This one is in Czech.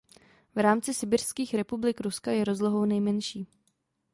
V rámci sibiřských republik Ruska je rozlohou nejmenší.